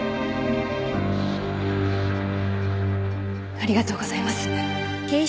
ありがとうございます。